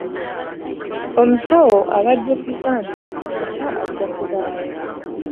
Omusawo abajjukiza nti enkya ajja kubaawo.